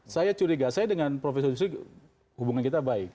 saya curiga saya dengan profesor yusuf hubungan kita baik